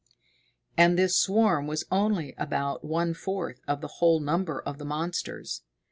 And this swarm was only about one fourth of the whole number of the monsters.